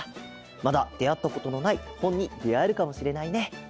まだであったことのないほんにであえるかもしれないね。